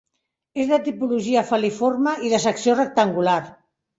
És de tipologia fal·liforme i de secció rectangular.